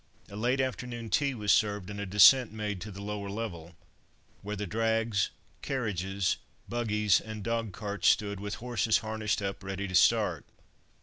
A late afternoon tea was served, and a descent made to the lower level, where the drags, carriages, buggies and dog carts stood, with horses harnessed up, ready to start.